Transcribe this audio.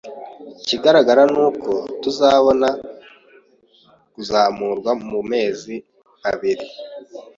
Ikigaragara ni uko tuzabona kuzamurwa mu mezi abiri